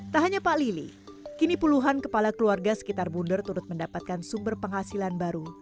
tak hanya pak lili kini puluhan kepala keluarga sekitar bundar turut mendapatkan sumber penghasilan baru